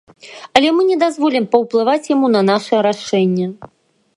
Але мы не дазволім паўплываць яму на нашае рашэнне.